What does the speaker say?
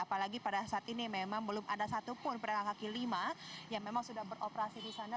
apalagi pada saat ini memang belum ada satupun pedagang kaki lima yang memang sudah beroperasi di sana